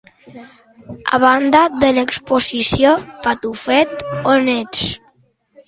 A banda de l'exposició "Patufet, on ets?"